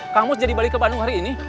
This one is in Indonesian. kang mus jadi balik ke bandung hari ini